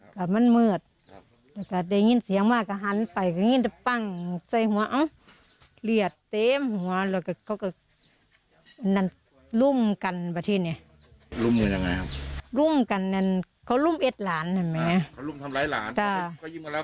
กเกรียดขัดที่ยุกลาภาทหลุมไขกันมาสว่างนี้หรือไม่ไหว